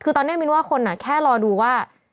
คือตอนนี้มินว่าคนแค่รอดูว่า